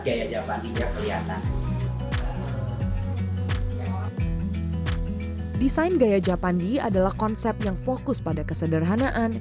gaya japan di yang kelihatan desain gaya japan di adalah konsep yang fokus pada kesederhanaan